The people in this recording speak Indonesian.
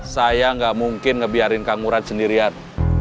saya nggak mungkin ngebiarin kang urat sendirian